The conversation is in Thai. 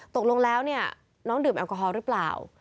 ตกลงแล้วเนี่ยน้องดื่มแอลกอฮอลหรือเปล่า